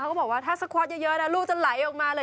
ก็บอกว่าถ้าสคอตเยอะนะลูกจะไหลออกมาเลย